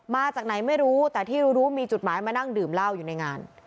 มาจากไหนไม่รู้แต่ที่รู้รู้มีจุดหมายมานั่งดื่มเหล้าอยู่ในงาน